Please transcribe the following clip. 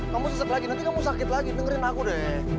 kamu sesep lagi nanti kamu sakit lagi dengerin aku deh